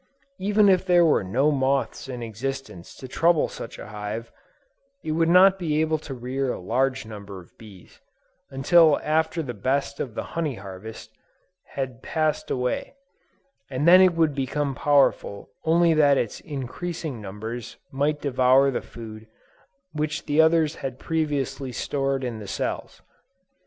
Even if there were no moths in existence to trouble such a hive, it would not be able to rear a large number of bees, until after the best of the honey harvest had passed away: and then it would become powerful only that its increasing numbers might devour the food which the others had previously stored in the cells.